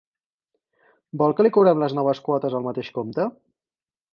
Vol que li cobrem les noves quotes al mateix compte?